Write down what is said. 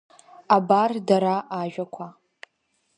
Абар дара ажәақәа…